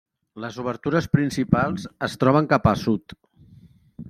Les obertures principals es troben cap a sud.